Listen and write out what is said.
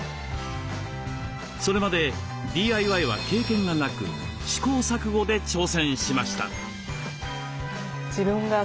それまでＤＩＹは経験がなく試行錯誤で挑戦しました。